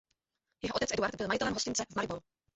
Jeho otec Eduard byl majitelem hostince v Mariboru.